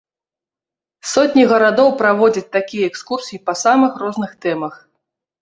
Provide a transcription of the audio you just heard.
Сотні гарадоў праводзяць такія экскурсіі па самых розных тэмах.